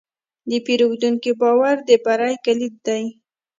د پیرودونکي باور د بری کلید دی.